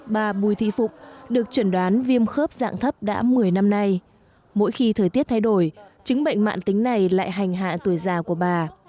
bà bùi thị phụng được chuẩn đoán viêm khớp dạng thấp đã một mươi năm nay mỗi khi thời tiết thay đổi chứng bệnh mạn tính này lại hành hạ tuổi già của bà